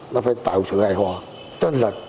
nó phải tạo sự hài hòa tranh lệch